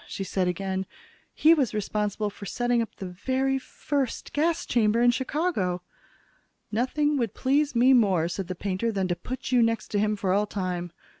she said again. "He was responsible for setting up the very first gas chamber in Chicago." "Nothing would please me more," said the painter, "than to put you next to him for all time.